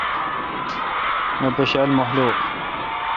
نہ پشا ل مخلوق۔